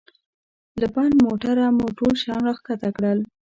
له بند موټره مو ټول شیان را کښته کړل.